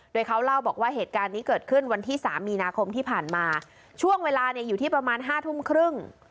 โดยเขาเล่าบอกว่าเหตุการณ์นี้เกิดขึ้นวันที่สามมีนาคมที่ผ่านมาช่วงเวลาเนี่ยอยู่ที่ประมาณห้าทุ่มครึ่ง